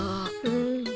うん。